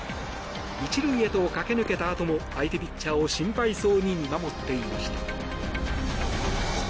１塁へと駆け抜けたあとも相手ピッチャーを心配そうに見守っていました。